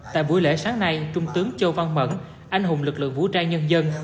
tại buổi lễ sáng nay trung tướng châu văn mẫn anh hùng lực lượng vũ trang nhân dân